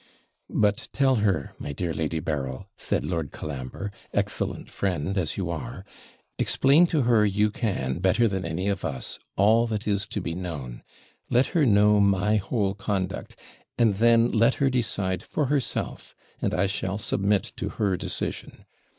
'But tell her, my dear Lady Berryl,' said Lord Colambre, 'excellent friend as you are explain to her you can, better than any of us, all that is to be known; let her know my whole conduct, and then let her decide for herself, and I shall submit to her decision.